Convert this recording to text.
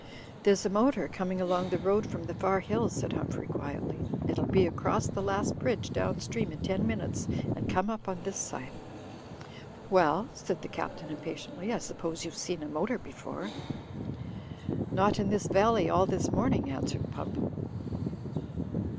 "There's a motor coming along the road from the far hills," said Humphrey, quietly. "It'll be across the last bridge down stream in ten minutes and come up on this side." "Well," said the Captain, impatiently, "I suppose you've seen a motor before." Digitized by CjOOQ IC HOSPITALITY OF THE CAPTAIN 241 'TMot In this valley all this morning," answered Pump.